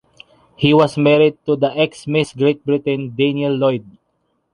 He was married to the ex-Miss Great-Britain Danielle Lloyd.